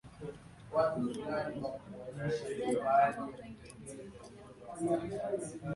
Katika dini mbalimbali, ni wakati muhimu wa sala.